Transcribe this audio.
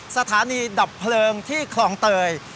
สถานีดับเพลิงที่คลองเตย